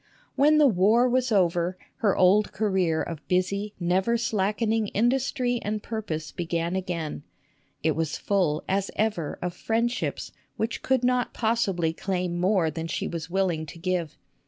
When the war was over, her old career of busy, never slackening industry and purpose began again. It was full, as ever, of friendships which could not possibly claim more than she was willing to give.